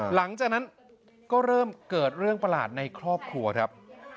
หลังจากนั้นก็เริ่มเกิดเรื่องประหลาดในครอบครัวครับ